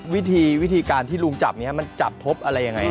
วิธีการที่ลุงจับมันจับทบอะไรยังไง